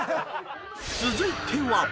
［続いては］